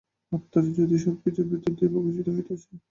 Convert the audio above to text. আত্মারই জ্যোতি সবকিছুর ভিতর দিয়া প্রকাশিত হইতেছে।